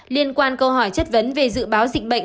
liên quan câu hỏi chất vấn về dự báo dịch bệnh